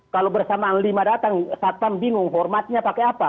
kalau bersama lima datang satpam bingung formatnya pakai apa